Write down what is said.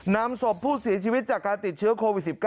นำศพผู้เสียชีวิตจากการติดเชื้อโควิด๑๙